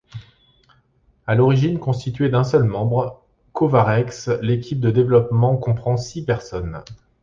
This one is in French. À l'origine constituée d'un seul membre, Kovarex, l'équipe de développement comprend six personnes.